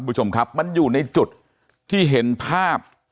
คุณผู้ชมครับมันอยู่ในจุดที่เห็นภาพ